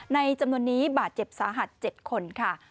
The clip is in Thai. จำนวนนี้บาดเจ็บสาหัส๗คนค่ะ